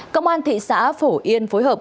công an thị xã phổ yên phối hợp